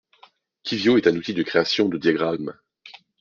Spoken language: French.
Kivio est un outil de création de diagrammes.